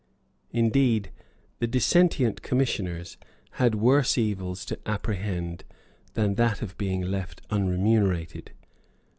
Indeed the dissentient commissioners had worse evils to apprehend than that of being left unremunerated.